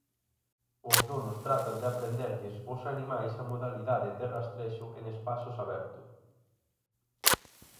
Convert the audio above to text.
Os donos tratan de aprenderlles aos animais a modalidade de rastrexo en espazos abertos.